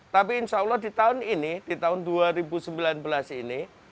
tapi insya allah di tahun ini di tahun dua ribu sembilan belas ini